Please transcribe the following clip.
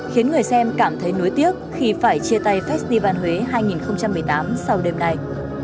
khiến người xem cảm thấy nối tiếc khi phải chia tay festival huế hai nghìn một mươi tám sau đêm nay